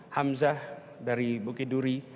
hamzah dari bukiduri